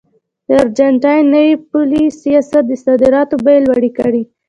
د ارجنټاین نوي پولي سیاست د صادراتو بیې لوړې کړې.